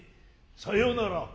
さようなら